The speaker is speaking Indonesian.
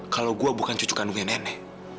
kalau gue bukan cucu kandungnya nenek